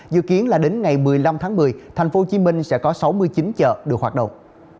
dự kiến là đến ngày một mươi năm tháng một mươi thành phố hồ chí minh sẽ có sáu mươi chín chợ được hoạt động